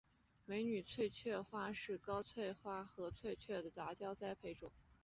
美女翠雀花是高翠雀花和翠雀的杂交栽培种。